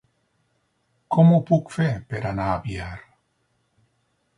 Com ho puc fer per anar a Biar?